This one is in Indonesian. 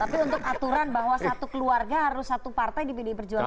tapi untuk aturan bahwa satu keluarga harus satu partai di pdi perjuangan